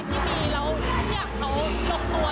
ไม่อยากพูดมากเพราะว่าแบบมาสะดวกความพร้อมของแต่ละคน